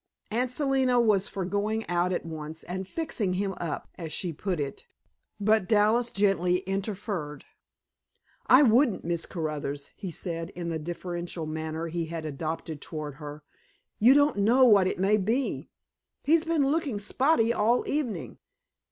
Aunt Selina was for going out at once and "fixing him up," as she put it, but Dallas gently interfered. "I wouldn't, Miss Caruthers," he said, in the deferential manner he had adopted toward her. "You don't know what it may be. He's been looking spotty all evening."